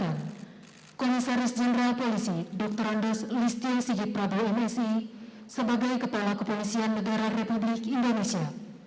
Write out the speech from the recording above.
kepada komisaris jenderal polisi dr andos listio sigit pradu msi sebagai kepala kepolisian negara republik indonesia